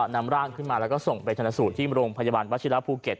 นำร่างขึ้นมาแล้วก็ส่งไปชนสูตรที่โรงพยาบาลวัชิระภูเก็ต